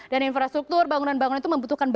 dan infrastruktur bangunan bangunan itu membutuhkan baja